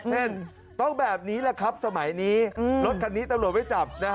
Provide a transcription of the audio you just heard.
เช่นต้องแบบนี้แหละครับสมัยนี้รถคันนี้ตำรวจไม่จับนะฮะ